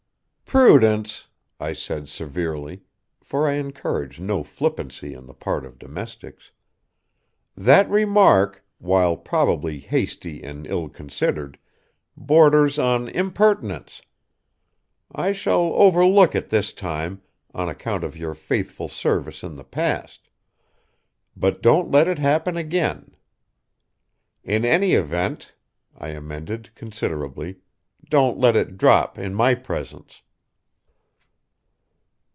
"Prudence," I said severely, for I encourage no flippancy on the part of domestics, "that remark, while probably hasty and ill considered, borders on impertinence. I shall overlook it this time on account of your faithful services in the past. But don't let it happen again. In any event," I amended considerately, "don't let it drop in my presence."